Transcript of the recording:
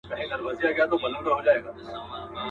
ککرۍ به ماتوي د مظلومانو.